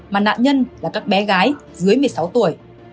mà nạn nhân là các bé gái dưới một mươi sáu tuổi